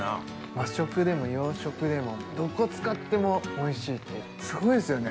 和食でも洋食でもどこ使ってもおいしいってすごいですよね。